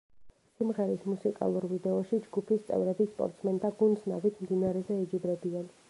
სიმღერის მუსიკალურ ვიდეოში ჯგუფის წევრები სპორტსმენთა გუნდს ნავით მდინარეზე ეჯიბრებიან.